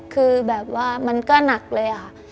คือแบบว่ามันก็หนักเลยค่ะ